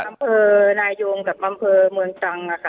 คำเภอนายงกับคำเภอเมืองจัง